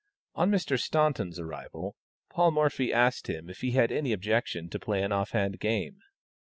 On Mr. Staunton's arrival, Paul Morphy asked him if he had any objection to play an off hand game.